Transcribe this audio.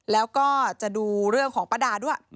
แล้วก็จะดูเรื่องของป้าดาด้วย